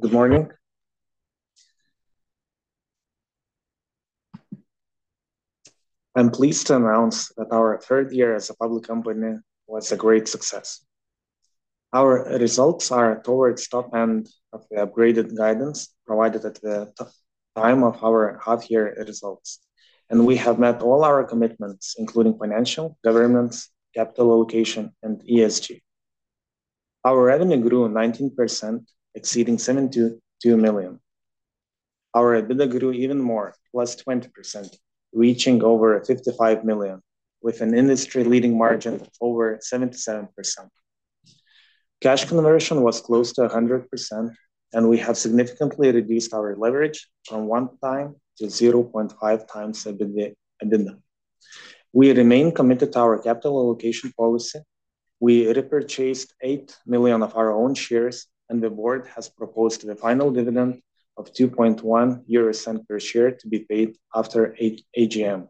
Good morning. I'm pleased to announce that our third year as a public company was a great success. Our results are towards the top end of the upgraded guidance provided at the time of our half-year results, and we have met all our commitments, including financial, government, capital allocation, and ESG. Our revenue grew 19%, exceeding 72 million. Our EBITDA grew even more, +20%, reaching over 55 million, with an industry-leading margin of over 77%. Cash conversion was close to 100%, and we have significantly reduced our leverage from 1x-0.5x EBITDA. We remain committed to our capital allocation policy. We repurchased 8 million of our own shares, and the board has proposed the final dividend of 2.1 euro per share to be paid after AGM.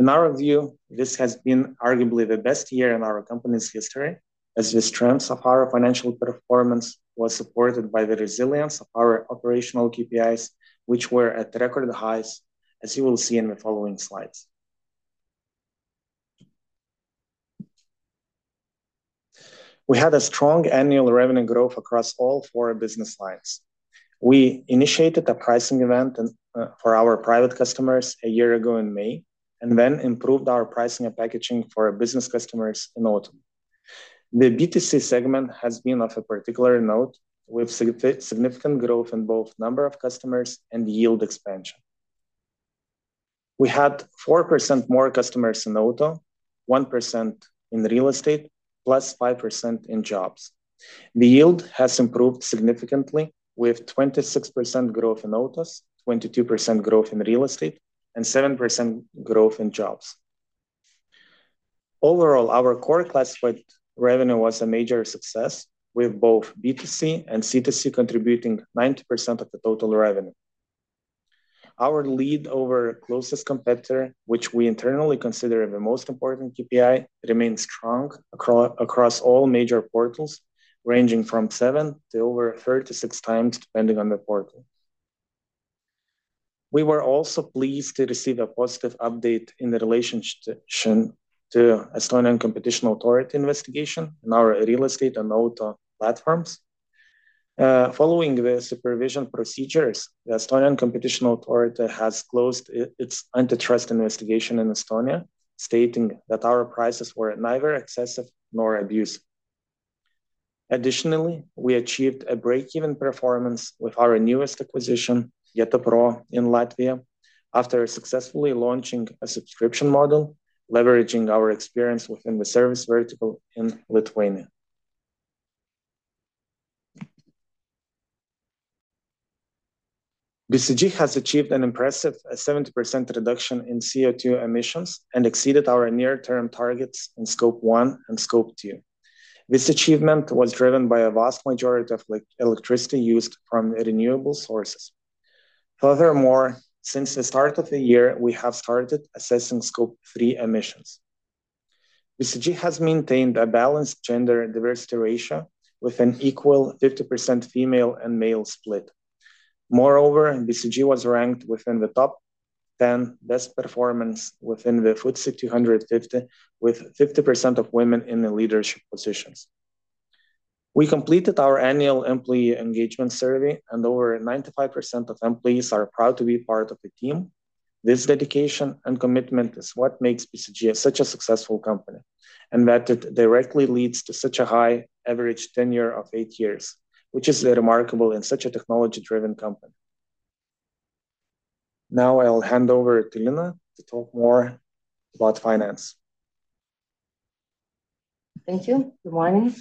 In our view, this has been arguably the best year in our company's history, as the strength of our financial performance was supported by the resilience of our operational KPIs, which were at record highs, as you will see in the following slides. We had a strong annual revenue growth across all four business lines. We initiated a pricing event for our private customers a year ago in May and then improved our pricing and packaging for business customers in autumn. The B2C segment has been of a particular note, with significant growth in both number of customers and yield expansion. We had 4% more customers in auto, 1% in real estate, +5% in jobs. The yield has improved significantly, with 26% growth in autos, 22% growth in real estate, and 7% growth in jobs. Overall, our core classified revenue was a major success, with both B2C and C2C contributing 90% of the total revenue. Our lead over closest competitor, which we internally consider the most important KPI, remains strong across all major portals, ranging from seven to over 36 times, depending on the portal. We were also pleased to receive a positive update in the relationship to the Estonian Competition Authority investigation in our real estate and auto platforms. Following the supervision procedures, the Estonian Competition Authority has closed its antitrust investigation in Estonia, stating that our prices were neither excessive nor abusive. Additionally, we achieved a break-even performance with our newest acquisition, GetaPro, in Latvia, after successfully launching a subscription model, leveraging our experience within the service vertical in Lithuania. BCG has achieved an impressive 70% reduction in CO2 emissions and exceeded our near-term targets in scope one and scope two. This achievement was driven by a vast majority of electricity used from renewable sources. Furthermore, since the start of the year, we have started assessing scope three emissions. BCG has maintained a balanced gender diversity ratio with an equal 50% female and male split. Moreover, BCG was ranked within the top 10 best performance within the FTSE 250, with 50% of women in the leadership positions. We completed our annual employee engagement survey, and over 95% of employees are proud to be part of the team. This dedication and commitment is what makes BCG such a successful company, and that it directly leads to such a high average tenure of eight years, which is remarkable in such a technology-driven company. Now I'll hand over to Lina to talk more about finance. Thank you. Good morning.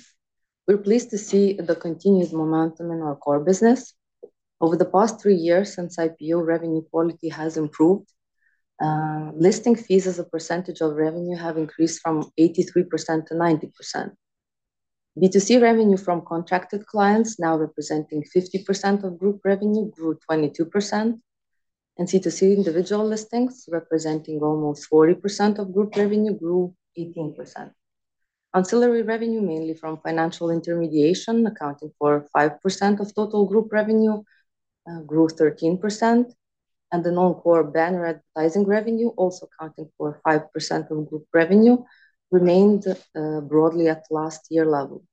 We're pleased to see the continued momentum in our core business. Over the past three years, since IPO, revenue quality has improved. Listing fees as a percentage of revenue have increased from 83% to 90%. B2C revenue from contracted clients, now representing 50% of group revenue, grew 22%, and C2C individual listings, representing almost 40% of group revenue, grew 18%. Ancillary revenue, mainly from financial intermediation, accounting for 5% of total group revenue, grew 13%, and the non-core banner advertising revenue, also accounting for 5% of group revenue, remained broadly at last-year level.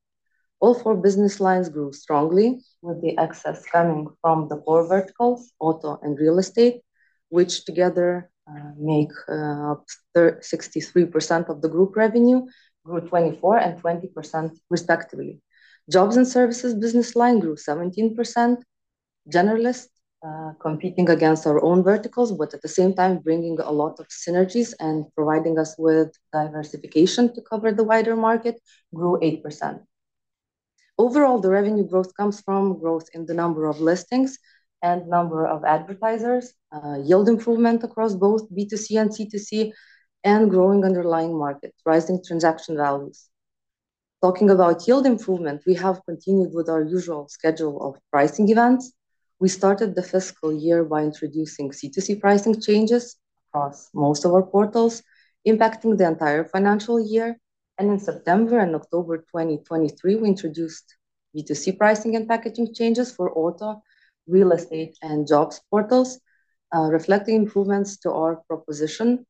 All four business lines grew strongly, with the excess coming from the core verticals, auto and real estate, which together make up 63% of the group revenue, grew 24% and 20%, respectively. Jobs and services business line grew 17%. Generalist, competing against our own verticals, but at the same time bringing a lot of synergies and providing us with diversification to cover the wider market, grew 8%. Overall, the revenue growth comes from growth in the number of listings and number of advertisers, yield improvement across both B2C and C2C, and growing underlying markets, rising transaction values. Talking about yield improvement, we have continued with our usual schedule of pricing events. We started the fiscal year by introducing C2C pricing changes across most of our portals, impacting the entire financial year. In September and October 2023, we introduced B2C pricing and packaging changes for auto, real estate, and jobs portals, reflecting improvements to our proposition.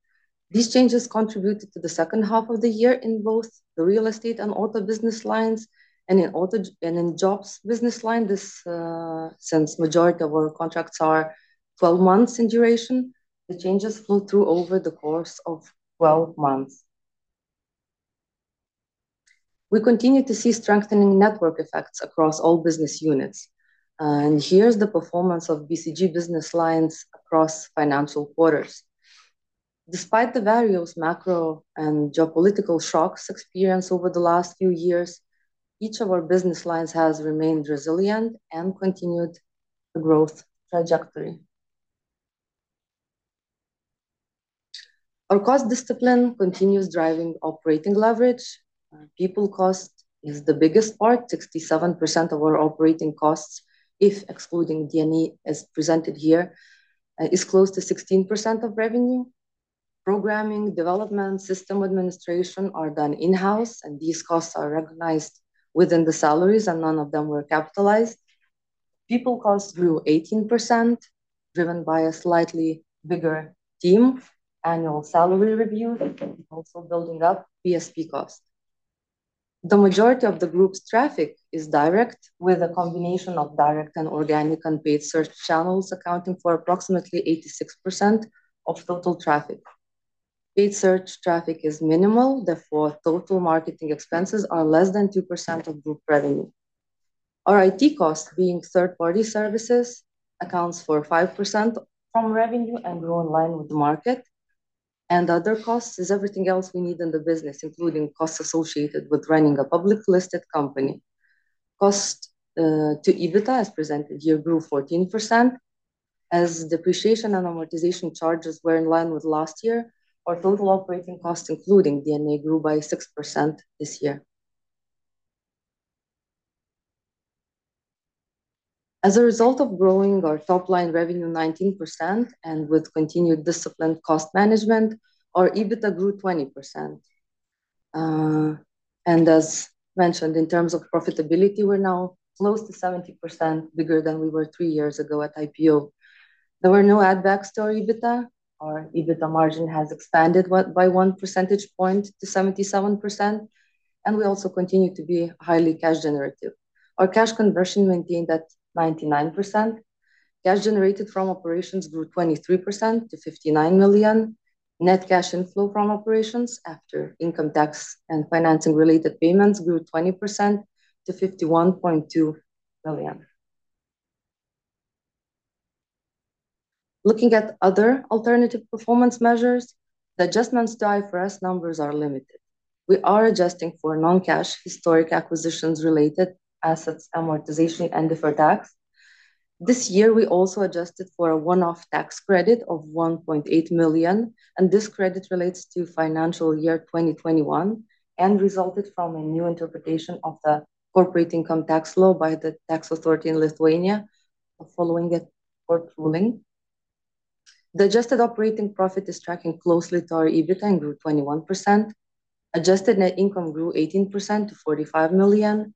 These changes contributed to the second half of the year in both the real estate and auto business lines, and in auto and in jobs business line. Since the majority of our contracts are 12 months in duration, the changes flowed through over the course of 12 months. We continue to see strengthening network effects across all business units. Here's the performance of BCG business lines across financial quarters. Despite the various macro and geopolitical shocks experienced over the last few years, each of our business lines has remained resilient and continued the growth trajectory. Our cost discipline continues driving operating leverage. People cost is the biggest part. 67% of our operating costs, if excluding D&A as presented here, is close to 16% of revenue. Programming, development, system administration are done in-house, and these costs are recognized within the salaries, and none of them were capitalized. People cost grew 18%, driven by a slightly bigger team, annual salary reviews, and also building up PSP cost. The majority of the group's traffic is direct, with a combination of direct and organic unpaid search channels accounting for approximately 86% of total traffic. Paid search traffic is minimal. Therefore, total marketing expenses are less than 2% of group revenue. Our IT cost, being third-party services, accounts for 5% from revenue and grew in line with the market. Other costs is everything else we need in the business, including costs associated with running a publicly listed company. Cost to EBITDA, as presented here, grew 14%. As depreciation and amortization charges were in line with last year, our total operating cost, including D&A, grew by 6% this year. As a result of growing our top-line revenue 19% and with continued disciplined cost management, our EBITDA grew 20%. As mentioned, in terms of profitability, we're now close to 70%, bigger than we were three years ago at IPO. There were no add-backs to our EBITDA. Our EBITDA margin has expanded by 1 percentage point to 77%, and we also continue to be highly cash-generative. Our cash conversion maintained at 99%. Cash generated from operations grew 23% to 59 million. Net cash inflow from operations after income tax and financing-related payments grew 20% to 51.2 million. Looking at other alternative performance measures, the adjustments to IFRS numbers are limited. We are adjusting for non-cash historic acquisitions-related assets, amortization, and deferred tax. This year, we also adjusted for a one-off tax credit of 1.8 million, and this credit relates to financial year 2021 and resulted from a new interpretation of the corporate income tax law by the tax authority in Lithuania, following a court ruling. The adjusted operating profit is tracking closely to our EBITDA and grew 21%. Adjusted net income grew 18% to 45 million.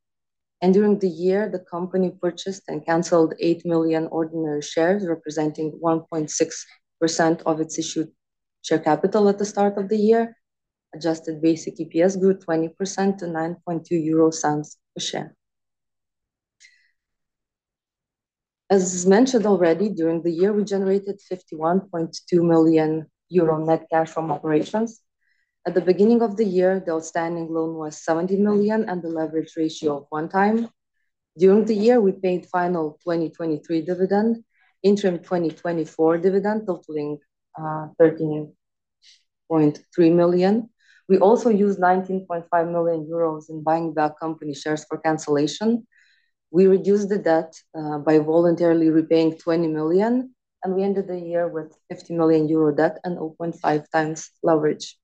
During the year, the company purchased and canceled 8 million ordinary shares, representing 1.6% of its issued share capital at the start of the year. Adjusted basic EPS grew 20% to 0.092 euro per share. As mentioned already, during the year, we generated 51.2 million euro net cash from operations. At the beginning of the year, the outstanding loan was 70 million and the leverage ratio of 1x. During the year, we paid final 2023 dividend, interim 2024 dividend, totaling 13.3 million. We also used 19.5 million euros in buying back company shares for cancellation. We reduced the debt by voluntarily repaying 20 million, and we ended the year with 50 million euro debt and 0.5x leverage.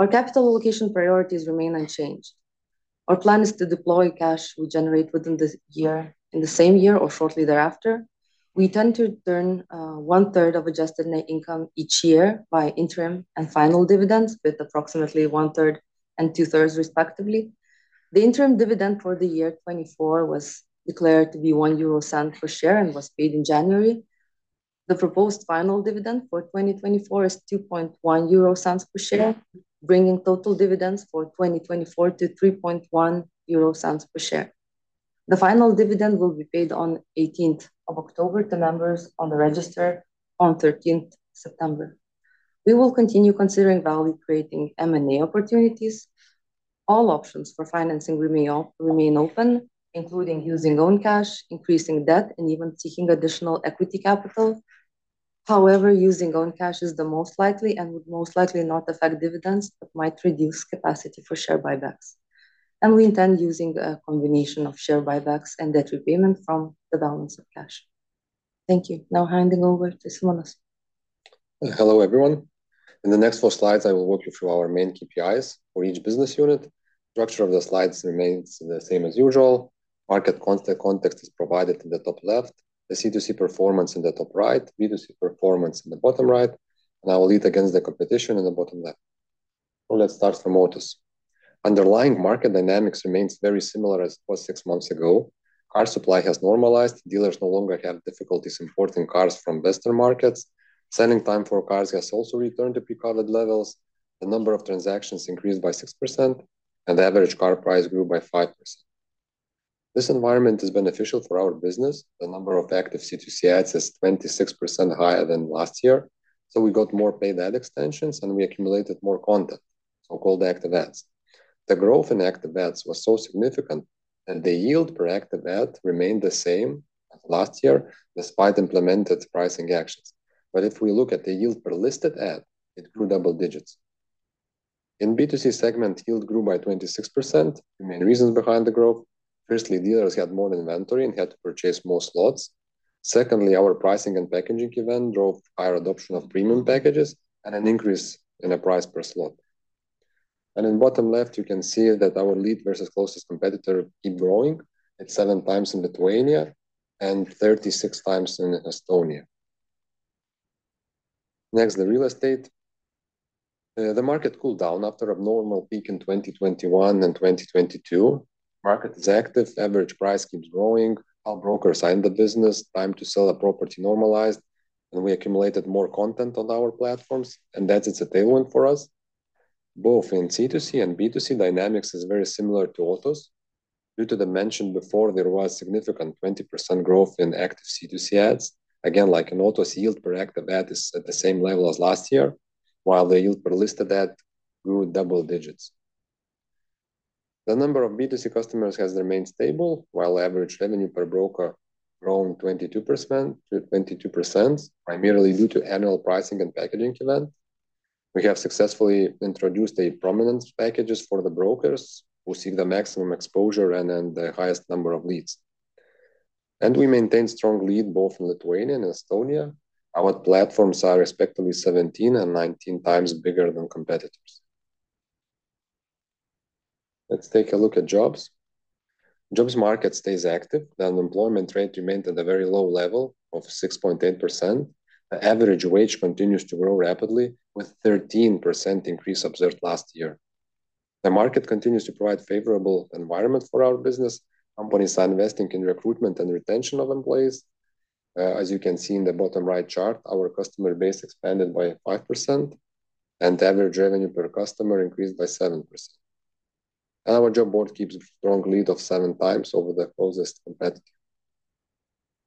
Our capital allocation priorities remain unchanged. Our plan is to deploy cash we generate within the year in the same year or shortly thereafter. We tend to turn 1/3 of adjusted net income each year by interim and final dividends, with approximately 1/3 and 2/3, respectively. The interim dividend for the year 2024 was declared to be 0.01 per share and was paid in January. The proposed final dividend for 2024 is 0.021 per share, bringing total dividends for 2024 to 0.031 per share. The final dividend will be paid on 18th of October to members on the register on 13th September. We will continue considering value-creating M&A opportunities. All options for financing remain open, including using own cash, increasing debt, and even seeking additional equity capital. However, using own cash is the most likely and would most likely not affect dividends, but might reduce capacity for share buybacks. We intend using a combination of share buybacks and debt repayment from the balance of cash. Thank you. Now handing over to Simonas. Hello, everyone. In the next four slides, I will walk you through our main KPIs for each business unit. The structure of the slides remains the same as usual. Market context is provided in the top left, the C2C performance in the top right, B2C performance in the bottom right, and our lead against the competition in the bottom left. So let's start from autos. Underlying market dynamics remains very similar as it was six months ago. Car supply has normalized. Dealers no longer have difficulties importing cars from Western markets. Selling time for cars has also returned to pre-COVID levels. The number of transactions increased by 6%, and the average car price grew by 5%. This environment is beneficial for our business. The number of active C2C ads is 26% higher than last year. So we got more paid ad extensions, and we accumulated more content, so-called active ads. The growth in active ads was so significant that the yield per active ad remained the same as last year, despite implemented pricing actions. If we look at the yield per listed ad, it grew double digits. In B2C segment, yield grew by 26%. The main reasons behind the growth, firstly, dealers had more inventory and had to purchase more slots. Secondly, our pricing and packaging event drove higher adoption of premium packages and an increase in the price per slot. In the bottom left, you can see that our lead versus closest competitor keep growing. It's seven times in Lithuania and 36 times in Estonia. Next, the real estate. The market cooled down after a normal peak in 2021 and 2022. Market is active. Average price keeps growing. Our brokers are in the business. Time to sell a property normalized. We accumulated more content on our platforms, and that's its attainment for us. Both in C2C and B2C, dynamics is very similar to autos. Due to the aforementioned, there was significant 20% growth in active C2C ads. Again, like in autos, yield per active ad is at the same level as last year, while the yield per listed ad grew double digits. The number of B2C customers has remained stable, while average revenue per broker has grown 22% to 22, primarily due to annual pricing and packaging event. We have successfully introduced prominent packages for the brokers who seek the maximum exposure and the highest number of leads. We maintain strong lead both in Lithuania and Estonia. Our platforms are respectively 17 and 19 times bigger than competitors. Let's take a look at jobs. Jobs market stays active. The unemployment rate remained at a very low level of 6.8%. The average wage continues to grow rapidly, with a 13% increase observed last year. The market continues to provide a favorable environment for our business. Companies are investing in recruitment and retention of employees. As you can see in the bottom right chart, our customer base expanded by 5%, and average revenue per customer increased by 7%. Our job board keeps a strong lead of seven times over the closest competitor.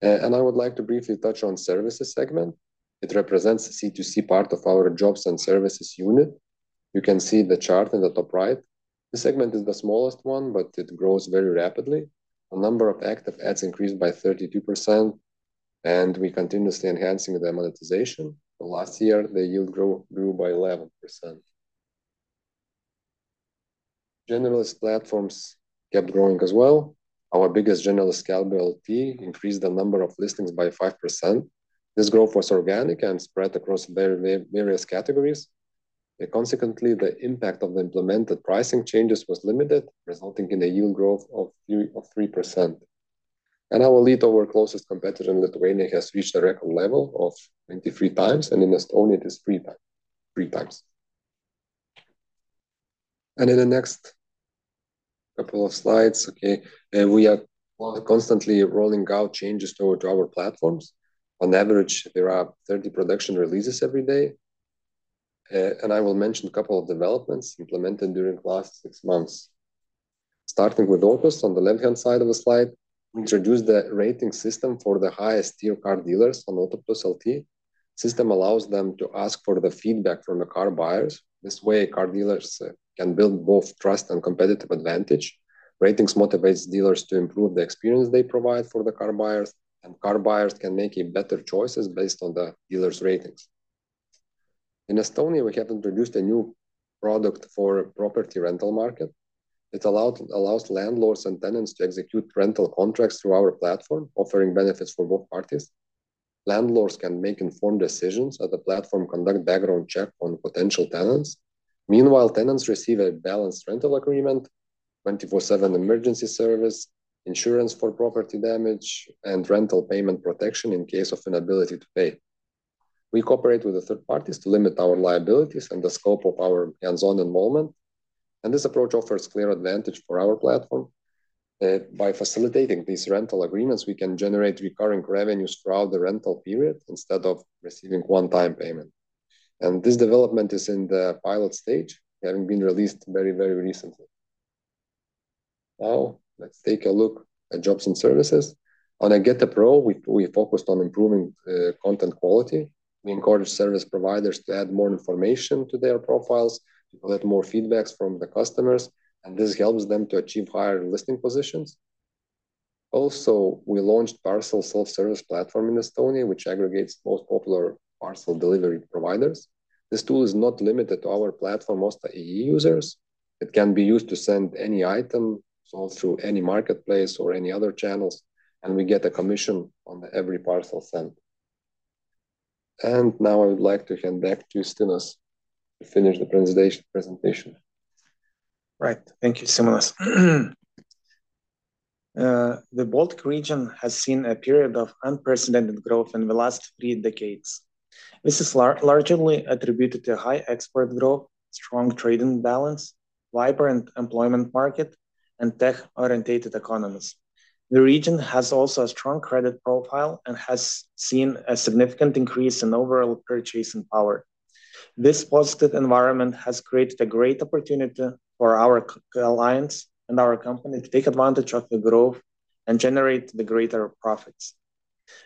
I would like to briefly touch on the services segment. It represents the C2C part of our jobs and services unit. You can see the chart in the top right. The segment is the smallest one, but it grows very rapidly. The number of active ads increased by 32%, and we are continuously enhancing the monetization. Last year, the yield grew by 11%. Generalist platforms kept growing as well. Our biggest generalist Skelbiu.lt increased the number of listings by 5%. This growth was organic and spread across various categories. Consequently, the impact of the implemented pricing changes was limited, resulting in a yield growth of 3%. Our lead over closest competitor in Lithuania has reached a record level of 23 times, and in Estonia, it is three times. In the next couple of slides, okay, we are constantly rolling out changes to our platforms. On average, there are 30 production releases every day. I will mention a couple of developments implemented during the last six months. Starting with autos on the left-hand side of the slide, we introduced the rating system for the highest-tier car dealers on Autoplius.lt. The system allows them to ask for the feedback from the car buyers. This way, car dealers can build both trust and competitive advantage. Ratings motivate dealers to improve the experience they provide for the car buyers, and car buyers can make better choices based on the dealers' ratings. In Estonia, we have introduced a new product for the property rental market. It allows landlords and tenants to execute rental contracts through our platform, offering benefits for both parties. Landlords can make informed decisions at the platform, conduct background checks on potential tenants. Meanwhile, tenants receive a balanced rental agreement, 24/7 emergency service, insurance for property damage, and rental payment protection in case of inability to pay. We cooperate with third parties to limit our liabilities and the scope of our hands-on involvement. This approach offers clear advantage for our platform. By facilitating these rental agreements, we can generate recurring revenues throughout the rental period instead of receiving one-time payment. This development is in the pilot stage, having been released very, very recently. Now, let's take a look at jobs and services. On GetaPro, we focused on improving content quality. We encourage service providers to add more information to their profiles to collect more feedback from the customers, and this helps them to achieve higher listing positions. Also, we launched a parcel self-service platform in Estonia, which aggregates the most popular parcel delivery providers. This tool is not limited to our platform, Osta.ee users. It can be used to send any item through any marketplace or any other channels, and we get a commission on every parcel sent. Now I would like to hand back to Justinas to finish the presentation. Right. Thank you, Simonas. The Baltic region has seen a period of unprecedented growth in the last three decades. This is largely attributed to high export growth, strong trading balance, vibrant employment market, and tech-oriented economies. The region has also a strong credit profile and has seen a significant increase in overall purchasing power. This positive environment has created a great opportunity for our clients and our company to take advantage of the growth and generate greater profits.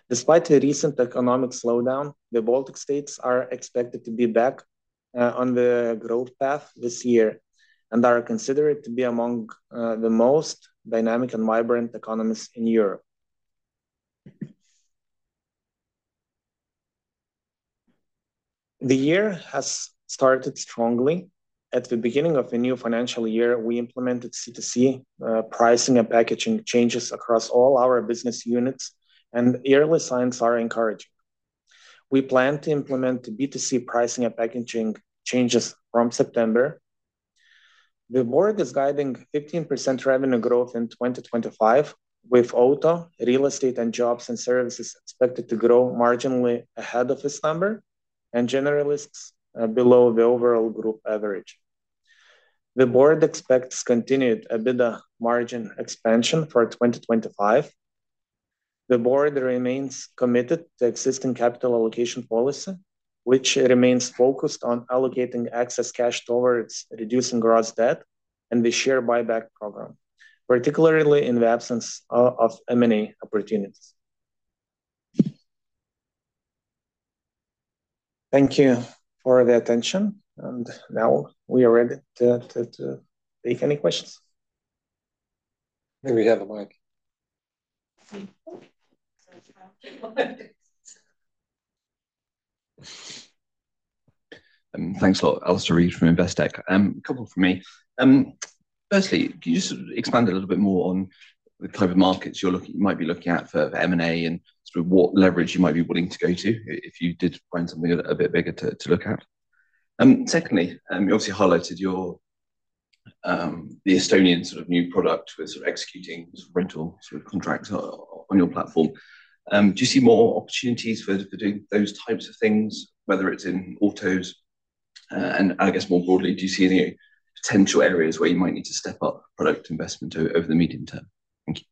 Despite the recent economic slowdown, the Baltic states are expected to be back on the growth path this year and are considered to be among the most dynamic and vibrant economies in Europe. The year has started strongly. At the beginning of the new financial year, we implemented C2C pricing and packaging changes across all our business units, and early signs are encouraging. We plan to implement B2C pricing and packaging changes from September. The board is guiding 15% revenue growth in 2025, with Auto, Real Estate, and Jobs & Services expected to grow marginally ahead of its number and generalist below the overall group average. The board expects continued EBITDA margin expansion for 2025. The board remains committed to existing capital allocation policy, which remains focused on allocating excess cash towards reducing gross debt and the share buyback program, particularly in the absence of M&A opportunities. Thank you for the attention. And now we are ready to take any questions. May we have a mic? Thanks, Alastair Reid from Investec. A couple from me. Firstly, could you just expand a little bit more on the type of markets you might be looking at for M&A and what leverage you might be willing to go to if you did find something a bit bigger to look at? Secondly, you obviously highlighted the Estonian sort of new product with executing rental contracts on your platform. Do you see more opportunities for doing those types of things, whether it's in autos and, I guess, more broadly, do you see any potential areas where you might need to step up product investment over the medium term? Thank you.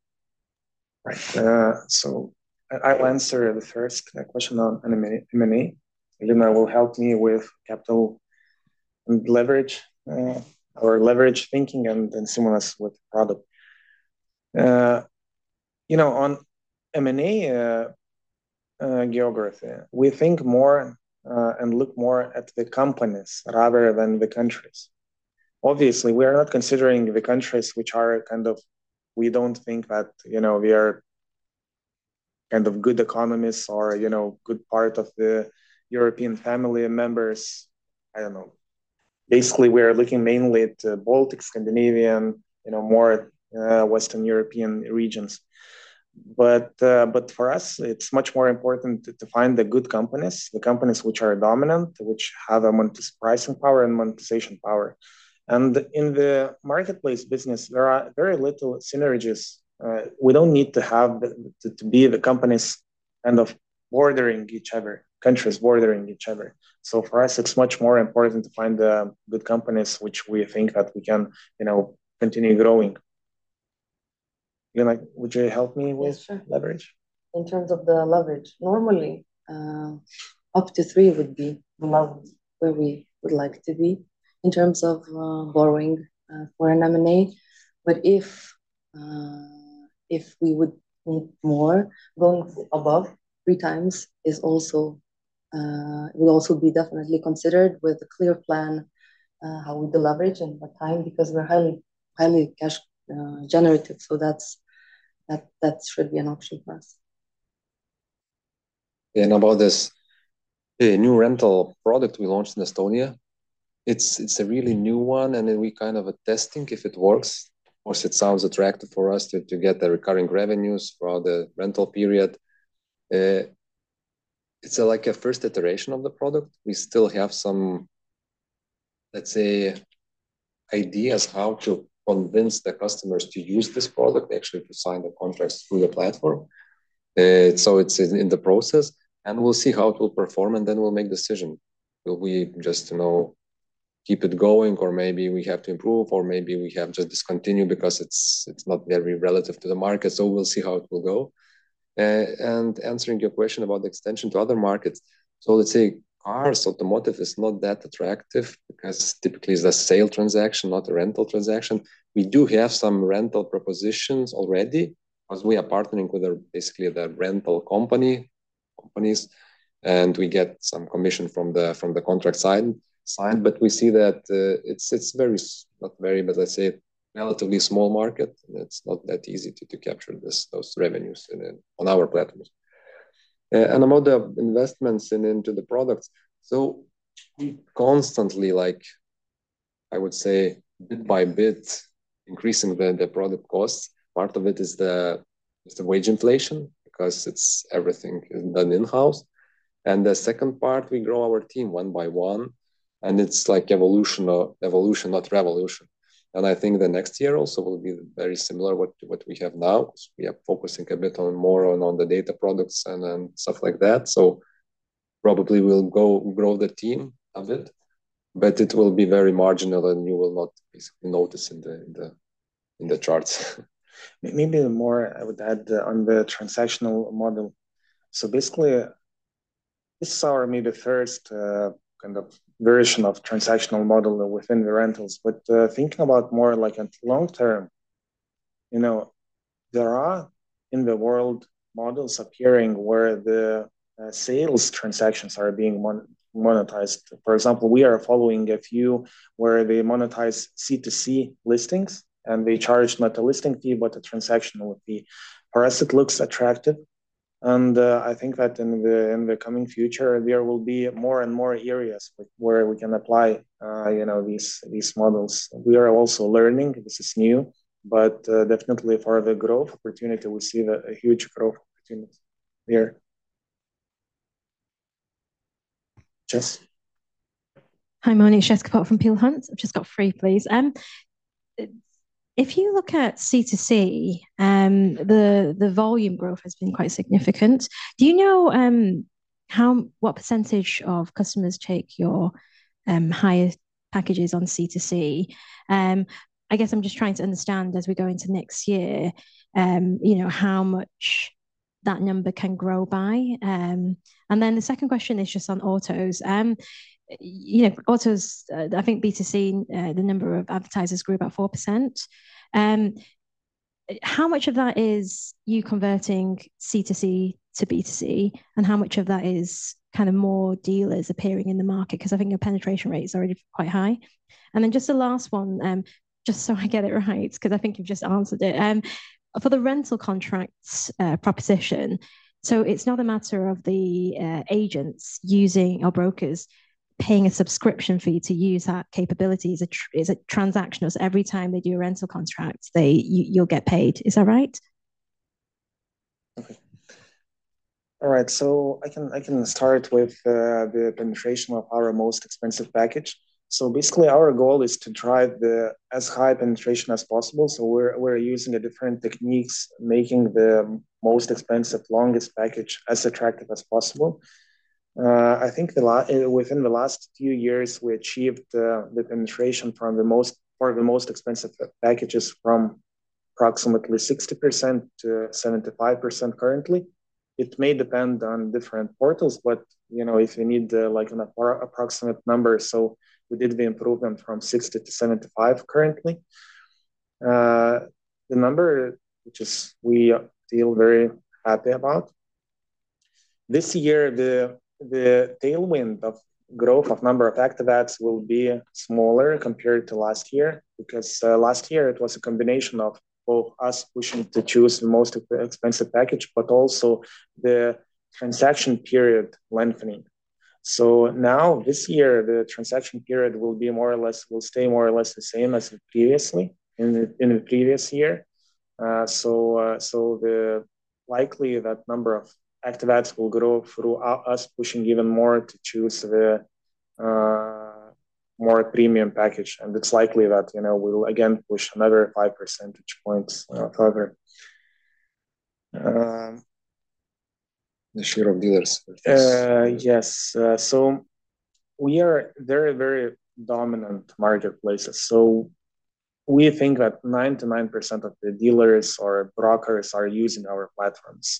Right. So I'll answer the first question on M&A. You know, it will help me with capital leverage or leverage thinking and then similar. With the product. You know, on M&A geography, we think more and look more at the companies rather than the countries. Obviously, we are not considering the countries which are kind of, we don't think that we are kind of good economists or a good part of the European family members. I don't know. Basically, we are looking mainly at the Baltic, Scandinavian, more Western European regions. But for us, it's much more important to find the good companies, the companies which are dominant, which have a monetization power and monetization power. And in the marketplace business, there are very little synergies. We don't need to have to be the companies kind of bordering each other, countries bordering each other. For us, it's much more important to find the good companies which we think that we can continue growing. Would you help me with leverage? In terms of the leverage, normally up to three would be the level where we would like to be in terms of borrowing for an M&A. But if we would need more, going above three times would also be definitely considered with a clear plan, how we do leverage and what time, because we're highly cash-generative. So that should be an option for us. About this new rental product we launched in Estonia, it's a really new one, and we're kind of testing if it works. Of course, it sounds attractive for us to get the recurring revenues throughout the rental period. It's like a first iteration of the product. We still have some, let's say, ideas how to convince the customers to use this product, actually to sign the contracts through the platform. So it's in the process, and we'll see how it will perform, and then we'll make a decision. Will we just keep it going, or maybe we have to improve, or maybe we have to discontinue because it's not very relevant to the market? So we'll see how it will go. Answering your question about the extension to other markets, so let's say cars, automotive is not that attractive because typically it's a sale transaction, not a rental transaction. We do have some rental propositions already because we are partnering with basically the rental companies, and we get some commission from the contract side. But we see that it's very, not very, but let's say relatively small market. It's not that easy to capture those revenues on our platforms. And about the investments into the products, so we constantly, like I would say, bit by bit increasing the product costs. Part of it is the wage inflation because everything is done in-house. And the second part, we grow our team one by one, and it's like evolution, not revolution. And I think the next year also will be very similar to what we have now. We are focusing a bit more on the data products and stuff like that. So probably we'll grow the team a bit, but it will be very marginal, and you will not basically notice in the charts. Maybe more I would add on the transactional model. So basically, this is our maybe first kind of version of transactional model within the rentals. But thinking about more like a long term, there are in the world models appearing where the sales transactions are being monetized. For example, we are following a few where they monetize C2C listings, and they charge not a listing fee, but a transactional fee. For us, it looks attractive. And I think that in the coming future, there will be more and more areas where we can apply these models. We are also learning. This is new, but definitely for the growth opportunity, we see a huge growth opportunity there. Yes? Hi, Morning. from Peel Hunt. I've just got three, please. If you look at C2C, the volume growth has been quite significant. Do you know what percentage of customers take your highest packages on C2C? I guess I'm just trying to understand as we go into next year how much that number can grow by. And then the second question is just on autos. I think B2C, the number of advertisers grew about 4%. How much of that is you converting C2C to B2C, and how much of that is kind of more dealers appearing in the market? Because I think your penetration rate is already quite high. And then just the last one, just so I get it right, because I think you've just answered it. For the rental contracts proposition, so it's not a matter of the agents using or brokers paying a subscription fee to use that capability. It's a transaction. Every time they do a rental contract, you'll get paid. Is that right? Okay. All right. So I can start with the penetration of our most expensive package. So basically, our goal is to drive the penetration as high as possible. So we're using different techniques, making the most expensive, longest package as attractive as possible. I think within the last few years, we achieved the penetration for the most expensive packages from approximately 60%-75% currently. It may depend on different portals, but if you need an approximate number, so we did the improvement from 60%-75% currently. The number, which we feel very happy about. This year, the tailwind of growth of number of activations will be smaller compared to last year because last year, it was a combination of both us pushing to choose the most expensive package, but also the transaction period lengthening. So now, this year, the transaction period will be more or less, will stay more or less the same as previously in the previous year. So likely, that number of activations will grow through us pushing even more to choose the more premium package. And it's likely that we will again push another 5 percentage points further. The share of dealers. Yes. So we are very, very dominant marketplaces. So we think that 99% of the dealers or brokers are using our platforms.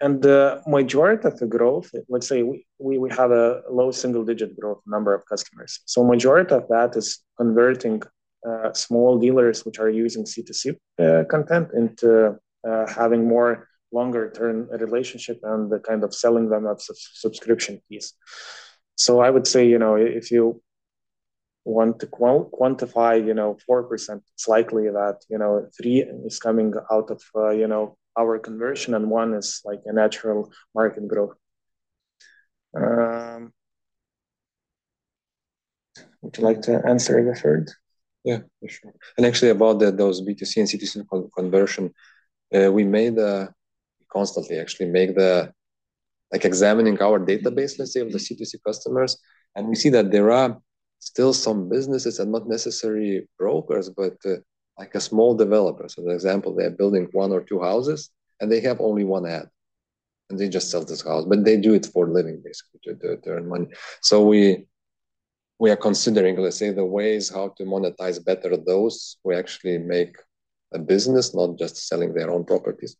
And the majority of the growth, let's say we have a low single-digit growth number of customers. So the majority of that is converting small dealers which are using C2C content into having more longer-term relationships and kind of selling them a subscription piece. So I would say if you want to quantify 4%, it's likely that three is coming out of our conversion, and one is like a natural market growth. Would you like to answer the third? Yeah, for sure. And actually, about those B2C and C2C conversion, we constantly actually make the examining our database, let's say, of the C2C customers. And we see that there are still some businesses and not necessarily brokers, but like small developers. For example, they are building one or two houses, and they have only one ad. And they just sell this house. But they do it for a living, basically, to earn money. So we are considering, let's say, the ways how to monetize better those who actually make a business, not just selling their own properties.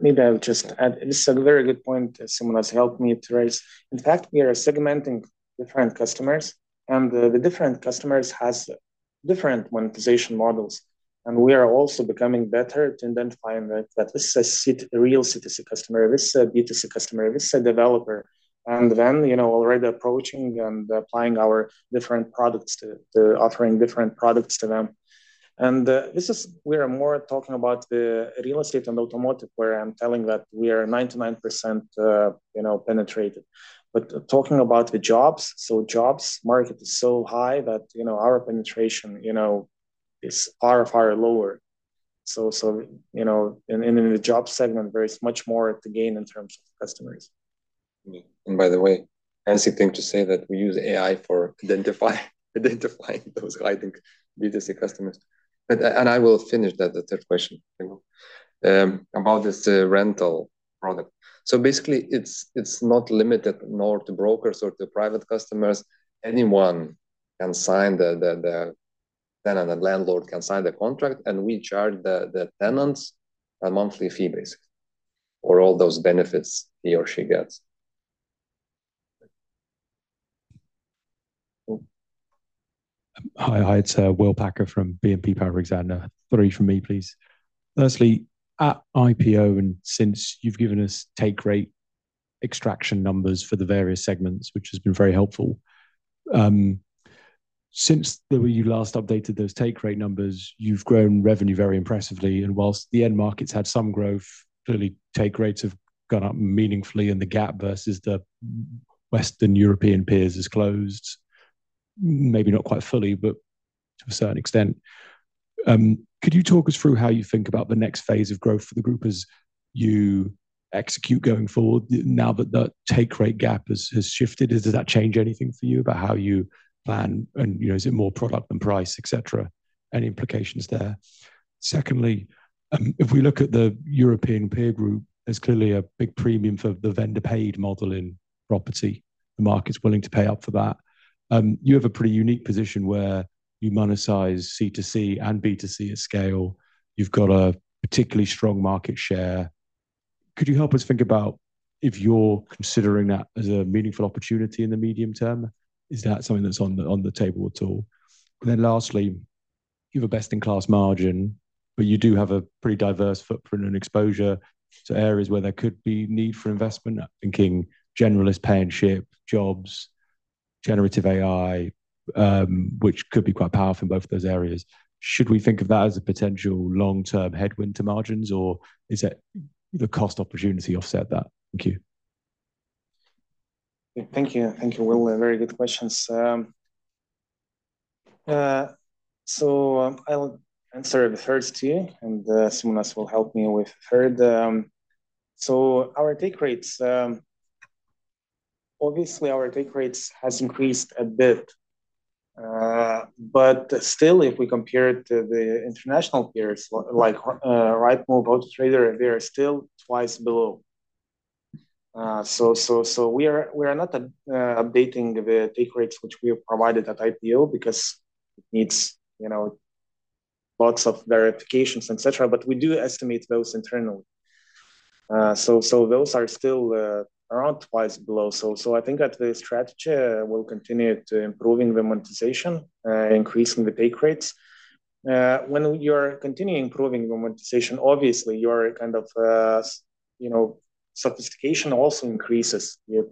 Maybe I'll just add, this is a very good point. Simonas helped me to raise. In fact, we are segmenting different customers, and the different customers have different monetization models. And we are also becoming better at identifying that this is a real C2C customer, this is a B2C customer, this is a developer, and then already approaching and applying our different products to offering different products to them. And this is where I'm more talking about the real estate and automotive where I'm telling that we are 99% penetrated. But talking about the jobs, so the jobs market is so high that our penetration is far, far lower. So in the jobs segment, there is much more to gain in terms of customers. And by the way, fancy thing to say that we use AI for identifying those hiding B2C customers. And I will finish that third question about this rental product. So basically, it's not limited nor to brokers or to private customers. Anyone can sign, the tenant and landlord can sign the contract, and we charge the tenants a monthly fee, basically, or all those benefits he or she gets. Hi, it's Will Packer from BNP Paribas Exane. Three from me, please. Firstly, at IPO, and since you've given us take-rate extraction numbers for the various segments, which has been very helpful. Since you last updated those take-rate numbers, you've grown revenue very impressively. While the end markets had some growth, clearly, take rates have gone up meaningfully, and the gap versus the Western European peers has closed, maybe not quite fully, but to a certain extent. Could you talk us through how you think about the next phase of growth for the group as you execute going forward now that the take-rate gap has shifted? Does that change anything for you about how you plan, and is it more product than price, et cetera, and implications there? Secondly, if we look at the European peer group, there's clearly a big premium for the vendor-paid model in property. The market's willing to pay up for that. You have a pretty unique position where you monetize C2C and B2C at scale. You've got a particularly strong market share. Could you help us think about if you're considering that as a meaningful opportunity in the medium term? Is that something that's on the table at all? And then lastly, you have a best-in-class margin, but you do have a pretty diverse footprint and exposure to areas where there could be need for investment, thinking generalist pay and ship jobs, generative AI, which could be quite powerful in both of those areas. Should we think of that as a potential long-term headwind to margins, or is it the cost opportunity offset that? Thank you. Thank you. Thank you, Will. Very good questions. So I'll answer the first two, and Simonas will help me with the third. So our take rates, obviously, our take rates have increased a bit. But still, if we compare it to the international peers like Rightmove, Autotrader, they are still twice below. So we are not updating the take rates, which we have provided at IPO because it needs lots of verifications, et cetera, but we do estimate those internally. So those are still around twice below. So I think that the strategy will continue to improve in the monetization, increasing the take rates. When you are continuing improving the monetization, obviously, your kind of sophistication also increases. You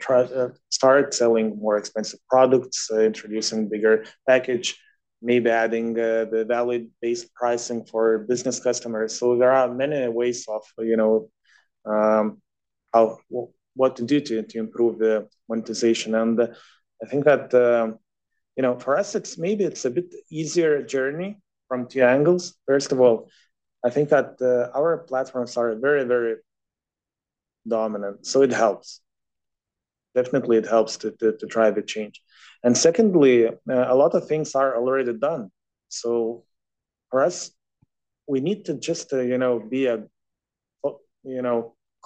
start selling more expensive products, introducing bigger package, maybe adding the valid base pricing for business customers. So there are many ways of what to do to improve the monetization. I think that for us, maybe it's a bit easier journey from two angles. First of all, I think that our platforms are very, very dominant, so it helps. Definitely, it helps to drive the change. And secondly, a lot of things are already done. So for us, we need to just be a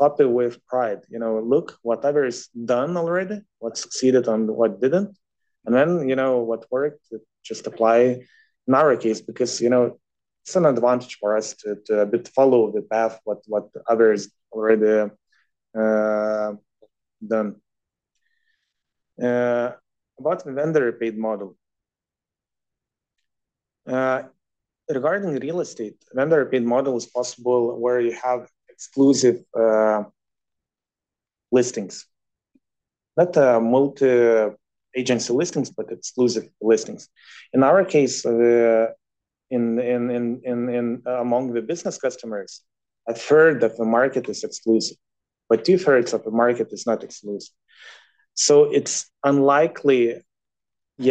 copycat with pride. Look, whatever is done already, what succeeded and what didn't, and then what worked, just apply in our case because it's an advantage for us to follow the path of what others have already done. About the vendor-paid model. Regarding real estate, the vendor-paid model is possible where you have exclusive listings. Not multi-agency listings, but exclusive listings. In our case, among the business customers, a third of the market is exclusive, but 2/3 of the market is not exclusive. It's unlikely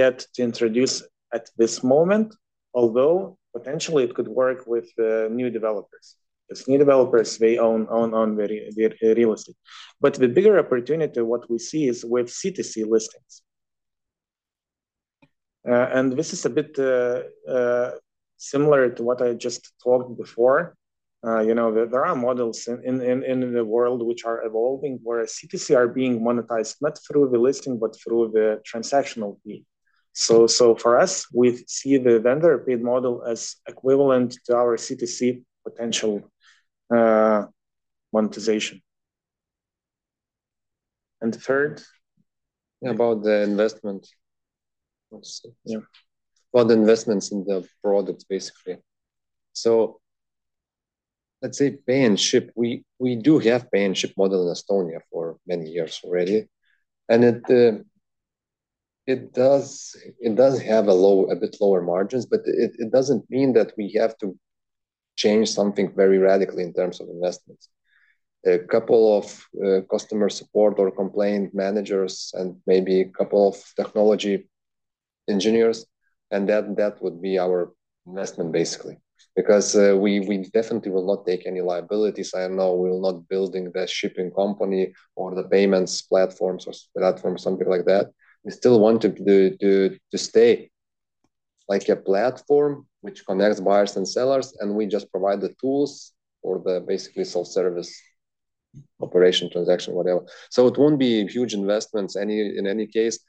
yet to introduce at this moment, although potentially it could work with new developers because new developers, they own real estate. But the bigger opportunity, what we see is with C2C listings. And this is a bit similar to what I just talked before. There are models in the world which are evolving where C2C are being monetized not through the listing, but through the transactional fee. So for us, we see the vendor-paid model as equivalent to our C2C potential monetization. And the third. About the investment. About the investments in the product, basically. So let's say pay and ship. We do have pay and ship model in Estonia for many years already. And it does have a bit lower margins, but it doesn't mean that we have to change something very radically in terms of investments. A couple of customer support or complaint managers and maybe a couple of technology engineers, and that would be our investment, basically, because we definitely will not take any liabilities. I know we're not building the shipping company or the payments platforms or platforms, something like that. We still want to stay like a platform which connects buyers and sellers, and we just provide the tools for the basically self-service operation, transaction, whatever. So it won't be huge investments in any case.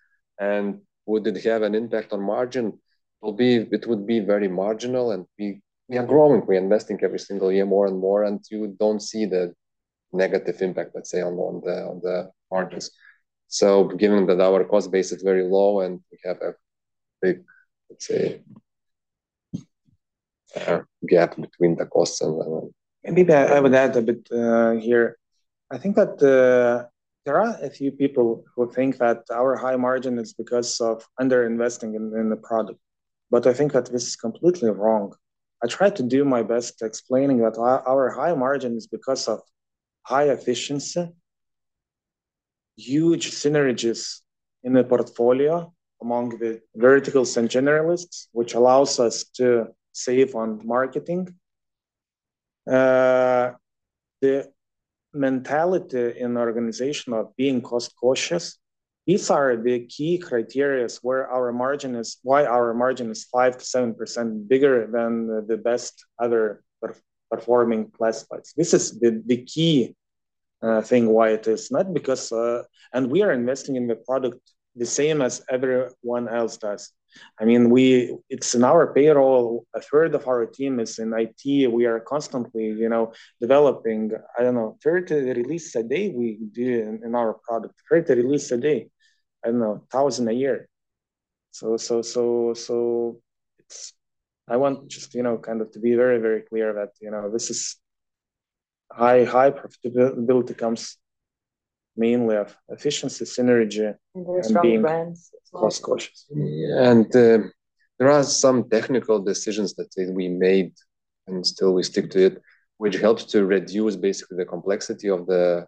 Would it have an impact on margin? It would be very marginal, and we are growing. We are investing every single year more and more, and you don't see the negative impact, let's say, on the margins. So given that our cost base is very low and we have a big, gap between the costs and. Maybe I would add a bit here. I think that there are a few people who think that our high margin is because of underinvesting in the product. But I think that this is completely wrong. I tried to do my best explaining that our high margin is because of high efficiency, huge synergies in the portfolio among the verticals and generalists, which allows us to save on marketing. The mentality in the organization of being cost-cautious, these are the key criteria where our margin is why our margin is 5%-7% bigger than the best other performing classifieds. This is the key thing why it is not because and we are investing in the product the same as everyone else does. I mean, it's in our payroll. A third of our team is in IT. We are constantly developing. I don't know, 30 releases a day we do in our product, 30 releases a day. I don't know, 1,000 a year. So I want just kind of to be very, very clear that this is high profitability comes mainly of efficiency, synergy, and being cost-cautious. And there are some technical decisions that we made, and still we stick to it, which helps to reduce basically the complexity of the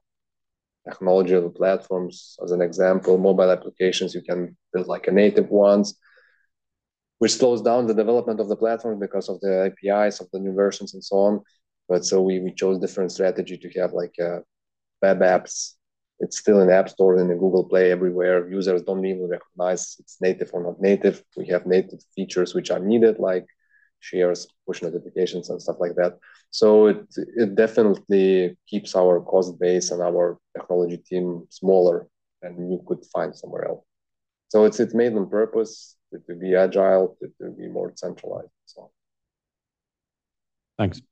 technology of the platforms. As an example, mobile applications, you can build like native ones, which slows down the development of the platform because of the APIs of the new versions and so on. But so we chose a different strategy to have like web apps. It's still in the App Store and in Google Play everywhere. Users don't even recognize it's native or not native. We have native features which are needed, like shares, push notifications, and stuff like that. So it definitely keeps our cost base and our technology team smaller than you could find somewhere else. So it's made on purpose to be agile, to be more centralized, and so on. Thanks.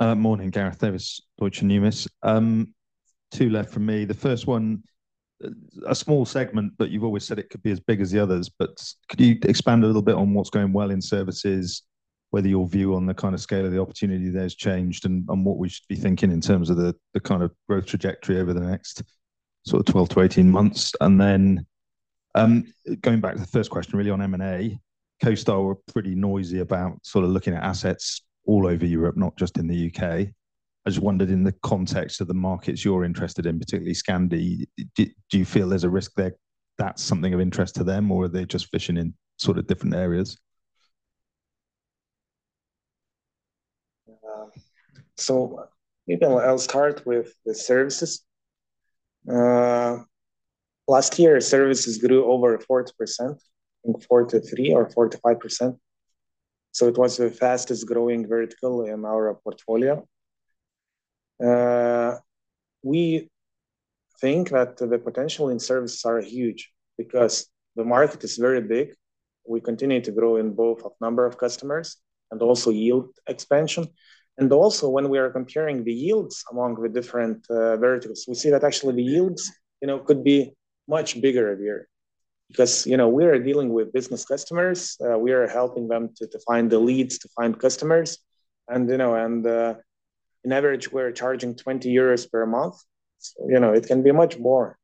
Morning, Gareth Davis, Deutsche Numis. Two left from me. The first one, a small segment, but you've always said it could be as big as the others. But could you expand a little bit on what's going well in services, whether your view on the kind of scale of the opportunity there has changed, and what we should be thinking in terms of the kind of growth trajectory over the next sort of 12 months-18 months? And then going back to the first question, really on M&A, CoStar were pretty noisy about sort of looking at assets all over Europe, not just in the U.K. I just wondered in the context of the markets you're interested in, particularly Scandi, do you feel there's a risk that that's something of interest to them, or are they just fishing in sort of different areas? So maybe I'll start with the services. Last year, services grew over 40%, 43% or 45%. So it was the fastest growing vertical in our portfolio. We think that the potential in services is huge because the market is very big. We continue to grow in both the number of customers and also yield expansion. And also, when we are comparing the yields among the different verticals, we see that actually the yields could be much bigger here because we are dealing with business customers. We are helping them to find the leads, to find customers. And on average, we're charging 20 euros per month. It can be much more.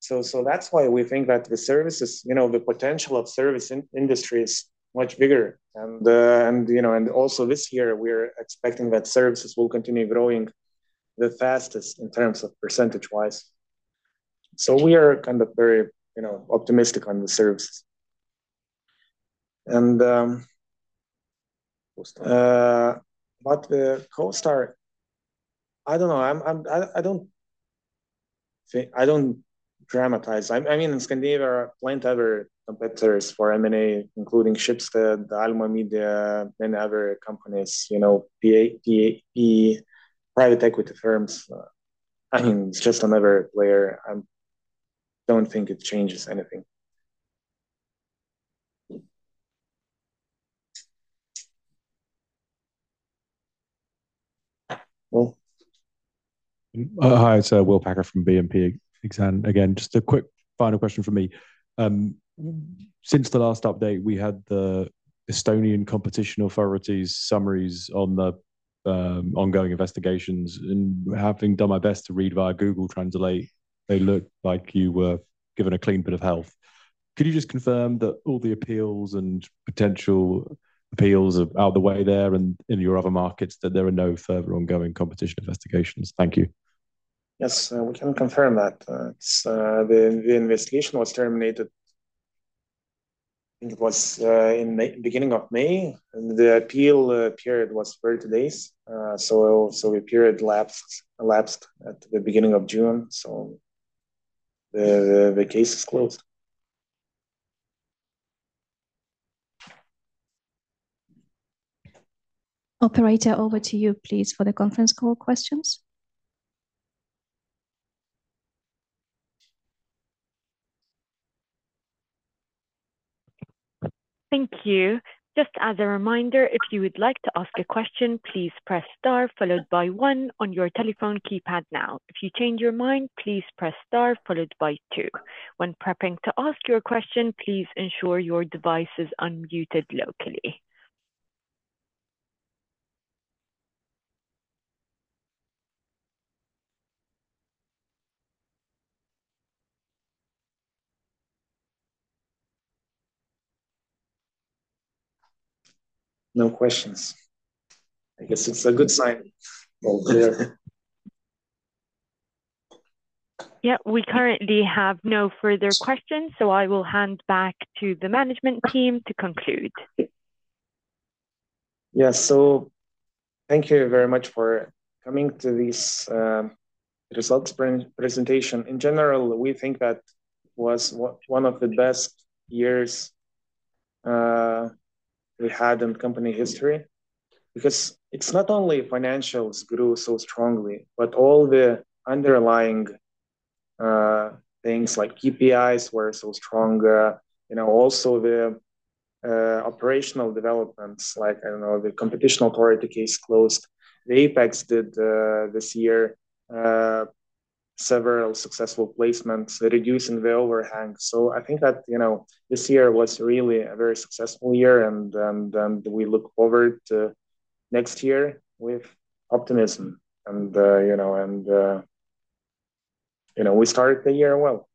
So that's why we think that the services, the potential of service industry is much bigger. And also this year, we're expecting that services will continue growing the fastest in terms of percentage-wise. We are kind of very optimistic on the services. About CoStar, I don't know. I don't dramatize. I mean, in Scandinavia, of other competitors for M&A, including Schibsted, Alma Media, many other companies, PAP, private equity firms. I mean, it's just another player. I don't think it changes anything. Hi, it's Will Packer from BNP Paribas Exane. Again, just a quick final question from me. Since the last update, we had the Estonian Competition Authority's summaries on the ongoing investigations. And having done my best to read via Google Translate, they looked like you were given a clean bit of health. Could you just confirm that all the appeals and potential appeals are out of the way there and in your other markets, that there are no further ongoing competition investigations? Thank you. Yes, we can confirm that. The investigation was terminated. I think it was in the beginning of May. The appeal period was 30 days. So the period lapsed at the beginning of June. So the case is closed. Operator, over to you, please, for the conference call questions. Thank you. Just as a reminder, if you would like to ask a question, please press star followed by one on your telephone keypad now. If you change your mind, please press star followed by two. When prepping to ask your question, please ensure your device is unmuted locally. No questions. I guess it's a good sign. Yep, we currently have no further questions, so I will hand back to the management team to conclude. Yes, so thank you very much for coming to this results presentation. In general, we think that it was one of the best years we had in company history because it's not only financials grew so strongly, but all the underlying things like KPIs were so strong. Also, the operational developments, like I don't know, the Competition Authority case closed. The Apax did this year several successful placements, reducing the overhang. So I think that this year was really a very successful year, and we look forward to next year with optimism. And we started the year well.